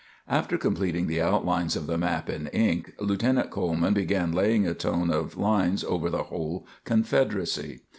After completing the outlines of the map in ink, Lieutenant Coleman began laying a tone of lines over the whole Confederacy.